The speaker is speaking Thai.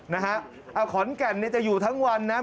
นะฮะขอนแก่นเนี่ยจะอยู่ทั้งวันนะ